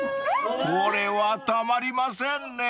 ［これはたまりませんねぇ］